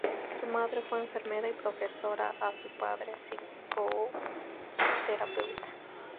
Su madre fue enfermera y profesora y su padre psicoterapeuta.